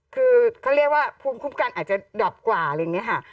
คือเขาเรียกว่าภูมิคุ้มกันอาจจะดับกว่าอะไรอย่างนี้ค่ะ